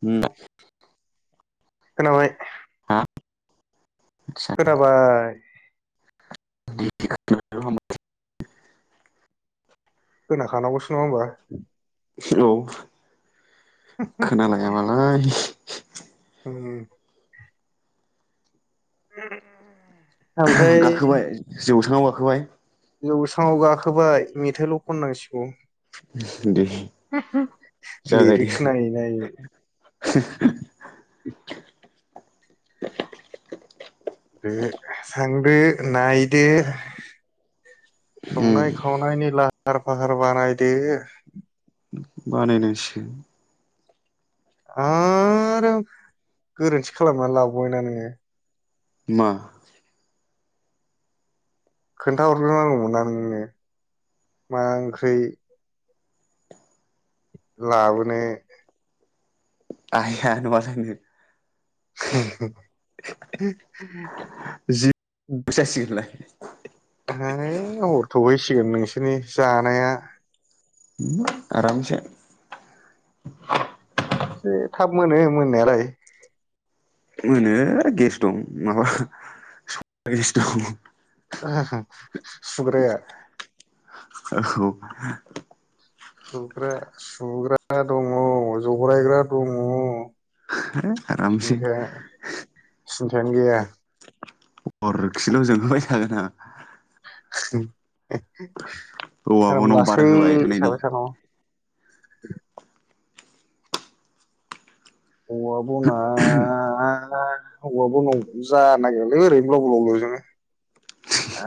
हु खोनाबाय [inaudible] हा आदसा खोनाबाय [unintelligible] खोनाखानांगौसो नङा होमबा सेल खोनालायाबालाय [unintelligible] उ ओमफ्राय जौसांआव गाखोबाय जौससाङाव गाखोबाय मेथाइल खननांसिगौ दे [inaudible] जागायदो लिरिक्स नायै नायै [unintelligible] बे सां बो नाय दे उम संनाय खावनायनि ला फार फाहार बानायदो बानायनोयसै आरो गोरोन्थि खालामनानै लाबावबायना नोङो मा खोन्थााहरग्रोनांगौमोना नोंङो मा ओंख्रि लाउनो आइ आ न ब [inaudible] हय जि जासिगोनलाय हरथबायसो मिगोन नोंसोरनि जानाया आरामसेै एसे थाब मोनो मोननायालाय मोनो गेस दं माबा गेस दं आंहा सुग्राया औ सुग्रा सुग्रा दङ जरायग्रा दङ आमसे कारेन गैया। अरखिल' जोंहोबाय थागोन आ [inaudible] औवा [inaudible] उम बनाव बार लासै होबाय थानायनि साबाय थानांगौ [inaudible] औवा‌‌ बना सावबाबो न जानो नागिरालै ओरैनो ब्लाव ब्लाव लजोङो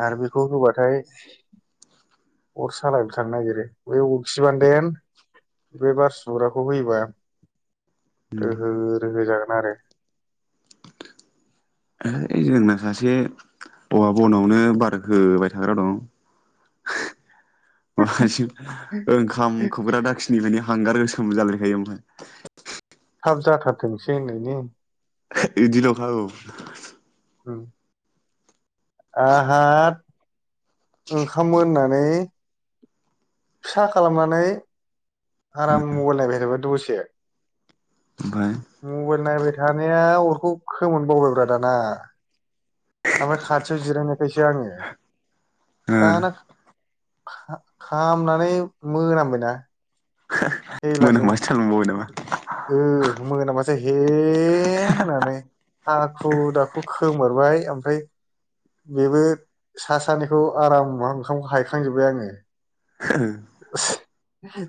आर बेखौ होबाथाय अर सालाय बो थानो नागिरो बे अरखिबान देन बे बार सुग्राखौ होयोबा रोहो ओमफ्राय रोहो जागोन आरो। है जोंना सासे औवा बनावनो बार होबाय थाग्रा दं। मासि ओंखाम खोबग्रा दाखिनि माने हांगार गोसो सोम जालायखायो आमफाय। थाब जाथारथोंसै होनैनायनि। इदिलखा औ। औ आहाद ओंखाम मोननानै फिसा खालामनानै आराम मबाइल नायबाय थाबा दस से। ओमफ्राय मबाइल नायबाय थानाय या अरखौ खोमोरनो बावबाय ब्रा दाना। आमफाय खाथियाव जिरायनायखायसो आङो। ओ दाना खा-खामनानै मोनामबाय ना हैलासो मोनामबासो थालांबावबाय नामा हो मोनामा जे हे होनानै हाखु दाखु खोमोरबाय आमफाय बेबो सा सानिखौ आराम ओंखामखौ हायखांजोबबाय आङो। हो।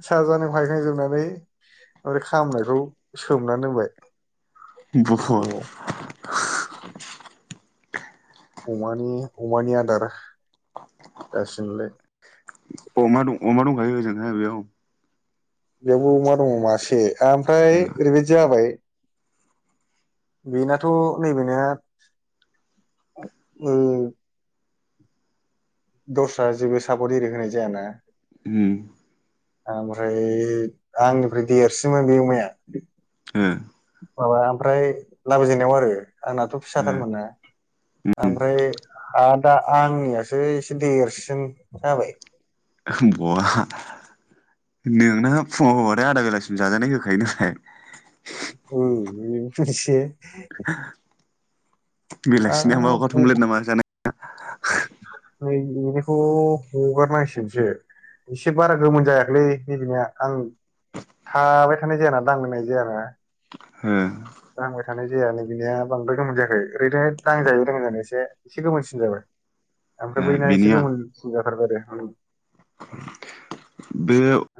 सा जानि हायखांजोबनानै ओरै खामनायखौ सोमनानै दोनबाय। अ बुहल। अमानि अमानि आदार जासिगोनलाय। अमा दं अमा दंखायो ओजोंहाय बेयाव? बेयावबो अमा दङ मासे आमफ्राय ओरैबायदि जाबाय बेनाथ नैबेनिया ओ दस्रा जेबो सापट एरि होनाय जायाना आमफ्राय आंनिफ्राय देरसिनमोन बे अमाया। ओ माबा आमफ्राय लाबोजेननायाव आरो आंनाथ फिसाथारमोनना आमफ्राय आर दा आंनियासो एसे देरसिन जाबाय। बहा नोंना फुङाव होबाथाय आदा बेलासिम जाजानाय होखायो नालाय। उम बेबो मोनसे। [unintelligible] बेलासिना होमबा अखा हाब थमब्लेथ नामा जानाय‌‌ [unintelligible] बेनिखौ हगारनांसिगोनसो एसे बारा गोमोन जायाखैलै नै बिनिया आं थाबाय थानाय जायाना दांलायनाय जायाना। हो दांबाय थानाय जाया नै बिनिया बांद्राय गोमोन जायाखै ओरैनो दांजायो दांजानाय एसे एसे गोमोनसिन जाबाय। ओ ओमफ्राय बैना एसे बिनिया गोमोन सिन जाथारबाय आरो। [unintelligible] बे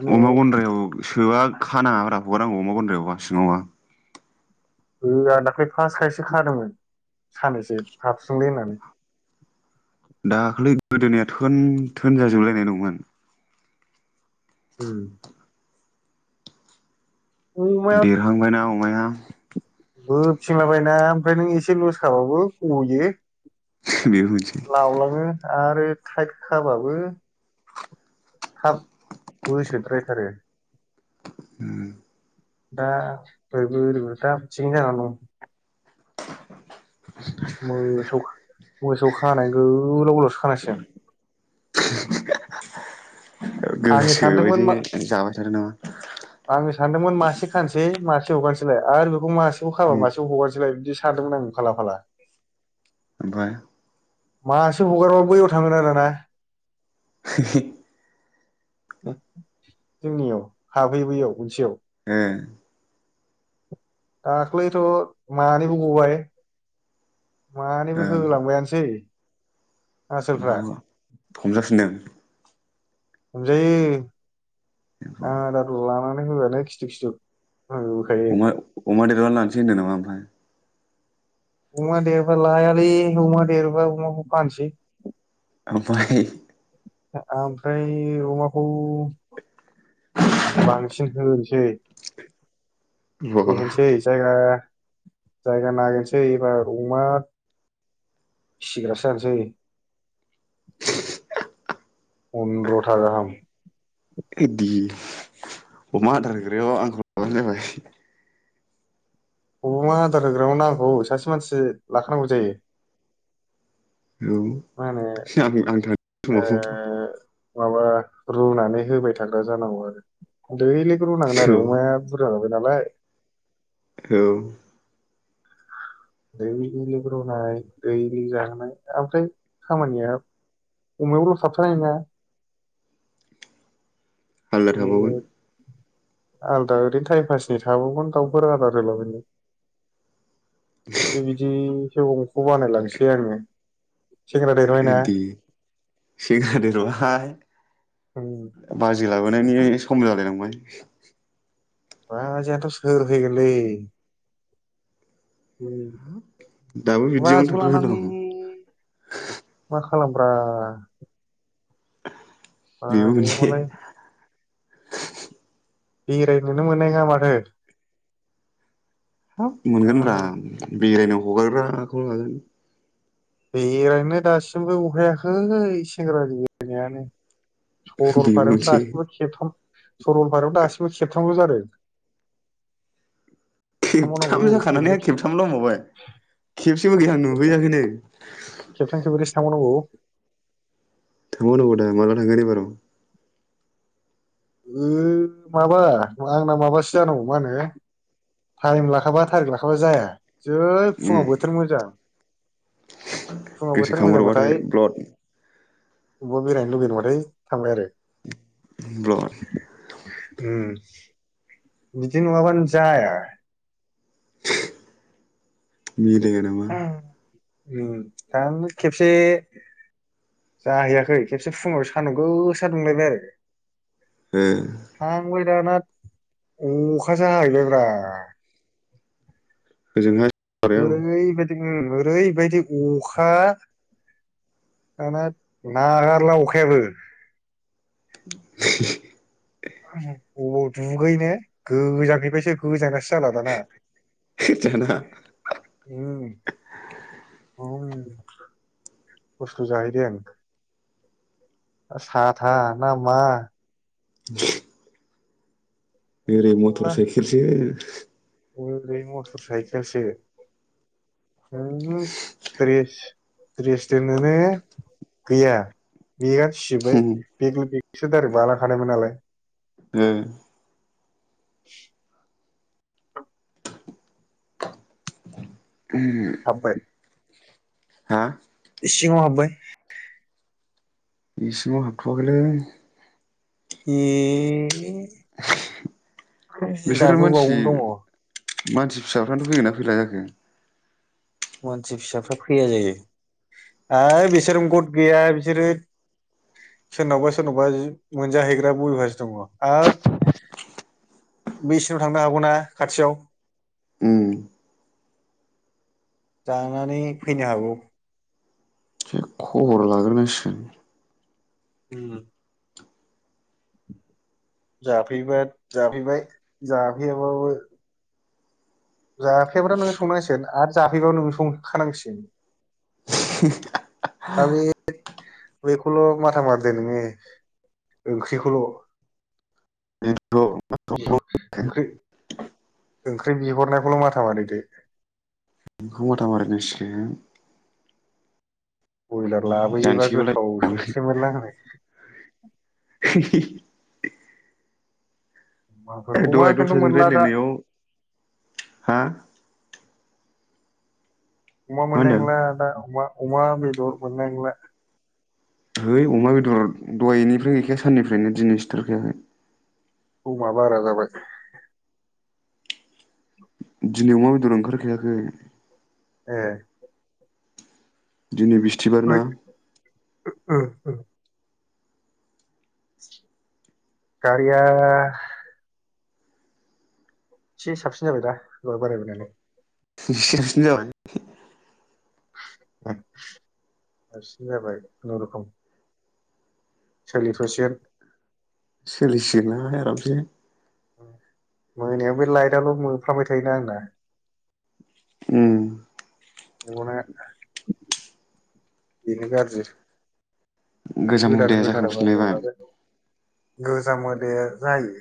माने अमा गन्द्रायाव सोबा खानाङाब्रा। हगारनांगौ अमा गुन्द्रायावबा सिङावबा। ओ आं दाख्लै फारस खायसो खादोंमोन साननैैसो। हारसिंलै होननानै दाख्लै गोदोनाया थोन थोन जाजोबलायनाय दंमोन। उम। देरहांबायना ना अमाया? [inaudible] बोबथिंला बायोना ओमफ्राय नों एसे लुस खाबाबो गयो। बेबो मोनसे लावलाङो आरो थाइद खाबाबो थाब बोसोद्रायथारो। ओम। दा ओरैबो ओरैबो दा अबेथिं जानानै दं? मोसौ खा मोसौ खानाय गोलाव गोलावसो खानांसिगोन। आङो गोसो बायदि सानदोंमोन मा जाबाय थादों नामा आङो सानदोंमोन मासे खानसै मा से हगारनोसैलाय आरो बेखौ मासे खौ खाबा उम मासेखौ हगारसैबाय बिदि सानदोंमोन आं फाला फाला। ओमफ्राय मासे हगारबा बैयाव थाङोना दाना [unintelligible] जोंनियाव हाबहै बैयाव मोनसेयाव। ए। दाख्लैथ' मानैबो गबाय मानैबो ओ होलांबायानोसै। आसोलफ्रा ओमफ्राय हमजाफिनदों? हमजायो। आदारल' लानां आं फैबाथाय खिथु खिथु होबोखायो अमा अमा देरबा लानोसै होनदों नामा ओमफ्राय अमा देरबा लायालै अमा देरबा अमाखौ फाननोसै। ओमफ्राय आ-ओमफ्राय अमाखौ एसे बांसिन होनोसै ओमफ्राय बेरायहैसै जायगा जायगा नागिरनोसै एबार अमा फिसिग्रासो जानोसै। पनद्रथा गाहाम। बिदि अमा आदार होग्रायाव आंखौ लाबानो जाबाय। अमा आदार होग्रायाव नांगौ सासे मानसि लाखानांगौ जायो। औ मा होनो आं था [unintelligible] ओ माबा रुनानै होबाय थाग्रा जानांगौ आरो देइलि रुनांगोन आरो औ अमाया बुरजा [unintelligible] औ। देइलि रुनाय दैइलि जाहोनाय ओमफ्राय खामानिया अमायावल थाबथानाय नङा। आलादा थाबावगोन। आलादा ओरैनो टाइम पासनि थाबावगोन दाउफोर आदर होलाबायनो एसे बिदिसो अंक बानायलांसै आङो। सेंग्रा देरबायना बिदि सेंग्रा देरबाय। उम बाजै लाबोनायनि सम जालायलांबाय। राजायानोथ' सोर होगोनलै। उम दाबो बिदियावनो बाजैखौ थाबथाना लानानै दं मा खालामब्रा। बेबो बाजैया मोनसे मालाय बेरायहैनोनो मोननाय नङा माथो। हाब ओ मोनगोन ब्रा बेरायनायाव हगारग्राखौ लागोन। बेरायनो दासिमबो अहायाखै सेंग्रानि लुबैनायानो। सरलपारायावनो बेबोसै दासिमबो खेबथाम सरलपारायाव दासिमबो खेबथामल जादों। थांबावनांगौ खेबथाम जाखानानै खेबब्रै आरो खेबथामल बुंबावबाय खेबसेबो जोंहा खेबथाम नुुहैयाखैनो। खेबथाम खेबब्रैसो थांबावनांगौ। थांबावनांगौ दा माला थांगोन एबाराव? ओ माबा आंना माबासो जानांगौ मा होनो टाइम लाखाबा थारिख लाखाबा जाया जै उम फुङाव बोथोर मोजां फुङाव बोथोर गोसोखांहरबाथाय मोजांबाथाय ब्लड। अबावबा बेरायनो लुुबैदोंबाथाय थांबाय आरो ब्लत उम बिदि नङाबानो जाया। मिलाया‌ नामा! दा खेबसे जाहैयाखै खेबसे फुङाव सानदुं गोसा दुंलायबाय आरो। ओ थांबाय दाना अखासो हाहैबाय ब्रा ओजोंहाय आं ओरैबायदि उम ओरैबायदि अखा दाना नागारला अखायाबो। [unintelligible] [inaudible] [unintelligible] बबाव दुगैनो गोजांनायनिफ्रायसो गोजांगासिनो। जाला दाना दाना खस्थ' जाहैदों साथा ना मा [inaudible] [unintelligible] एरै मटर मेरला साइकेलसो ओरै मटर साइकेलसो [unintelligible] द्रेस दोननोनो गैया। बेगा सिजोबो ओ बेबादि बिसोर दायरेक बालां खानायमोनालाय। ओ [inaudible] [unintelligible] ओ हाबबाय हा सिङाव हाबबाय। इसिङाव हाबथ'आखैलै। ए बिसोरो दाबो मानसि बावनो दङ। मानसि फिसाफ्रानो फैगोना फैला जाखो? मानसि फिसाफ्रा फैया जायो आरो बिसोर गट गैया बिसोरो सोरनावबा सोरनावबा मोनजाहैग्रा बो अयभास दङ आरो बिसिनाव थांनो हागौना खाथियाव। उम जानानै फैनो हागौ। एसे [unintelligible] उम जाफैबा जाफैबाय जाफैयाबाबो जाफैबायाबाबोथ' नोङो संनांसिगोन आरो जाफैबाबो नोंनो संखानांसिगोन। दा बे बेखौल' माथा मारिदो नोङो ओंख्रिखौल'। बेनोथ' ओंख्रि ओंख्रि बिहरनायखौल' माथा मारिदो। बेखौ माथा मारि नांसिगोन। बयलार लाबोयोबा गोथाव जानोसैबालाय संसै मोनलां होननाय। [unintelligible] अमाफोर अमा दहाय खिन्थु दस्राजों मोनला दा राय्लायनायाव हा अमा होनदों मोननाया अमा। अमा बेदर मोननाय नोंला। थै अमा बेदर दहायनि ओमफ्राय गैखाया साननिफ्रायनो दिनै सिथार खायाखै। समा बारा जाबाय। दिनै अमा बेदर ओंखारखायाखै। ए दिनै बिस्थिबार ना। ओ। गारिया एसे साबसिन जाबाय दा दहाय बारायबोनानै। बिसो साबसिन जाबाय। साबसिन जाबाय खुनुरुखुम। सोलि थसिगोन। सोलिसिगोन ना आरामसे। मोनायाव बे लाइटाल' मोफ्रामबाय थायोना आंना। उम। मेगना बिनो गाज्रि। गोजाम हुदाया जाखांफिनलायबाय। गोजामोदाया जायो।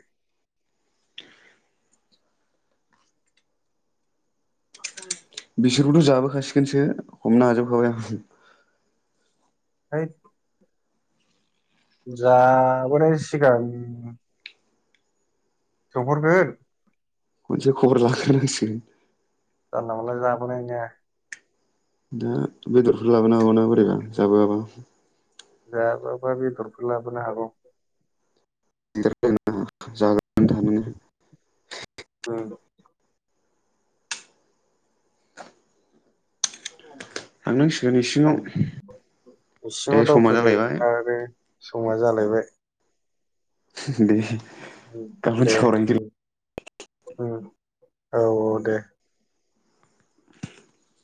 बिसोरबोथ जाबोखासिगोनसो। हमना हाजोब खाबाय आं। है। जाबोनाय सिगां सोंहरग्रो। खनसे खबर लाग्रोनांसिगोन। नङाबालाय जाबोनाय नोङा। दा बेदरफोर लाबोनो हाबानो बोरैबा जाबोआबा। जायाबाबा बेदरखौ लाबोनो हागौ। [unintelligible] जाग्रोनानै थानो हो। [inaudible] ओं [inaudible] [inaudible] थांनांसिगोन इसिङाव दे [unintelligible] समा दावखोदो जालायबाय आरो समा जालायबाय दे गाबोन दे सावरायनोसै औ औ दे [inaudible]